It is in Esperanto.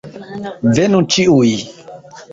Venu ĉiuj!